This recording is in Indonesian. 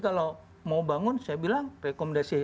kalau mau bangun saya bilang rekomendasi